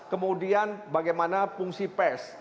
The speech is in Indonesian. kemudian bagaimana fungsi pes